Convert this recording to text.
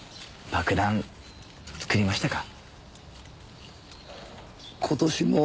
爆弾作りましたか？